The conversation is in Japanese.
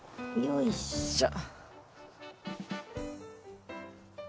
よいしょ。